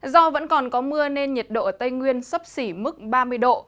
do vẫn còn có mưa nên nhiệt độ ở tây nguyên sấp xỉ mức ba mươi độ